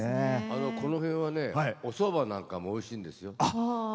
この辺は、おそばなんかもおいしいんですよ。